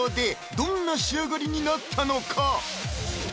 どんな仕上がりになったのか？